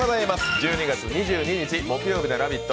１２月２２日木曜日の「ラヴィット！」